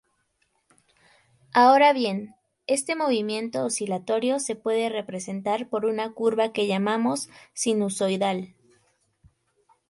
Ahora bien, este movimiento oscilatorio se puede representar por una curva que llamamos sinusoidal.